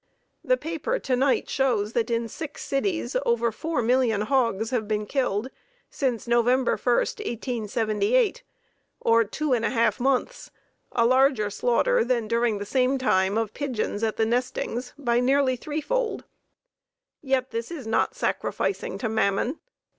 The paper to night shows that in six cities over four million hogs have been killed since Nov. 1, 1878, or two and a half months, a larger slaughter than, during the same time, of pigeons at the nestings by nearly threefold. Yet this is not "sacrificing to Mammon."